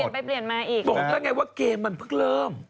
บอกได้ไงว่าเกมมันเพิ่งเริ่ม